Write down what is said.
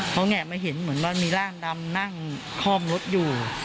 เขาแงะมาเห็นเหมือนว่ามีร่างดำนั่งคล่อมรถอยู่